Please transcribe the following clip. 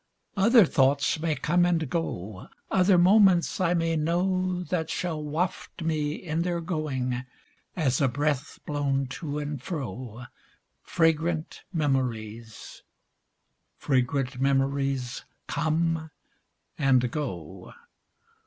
Other thoughts may come and go. Other moments I may know That shall waft me, in their going. As a breath blown to and fro. Fragrant memories : fragrant memories Come and go.